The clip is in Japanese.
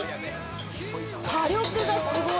火力がすごい。